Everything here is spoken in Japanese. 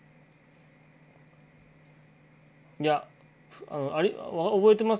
いや覚えてます。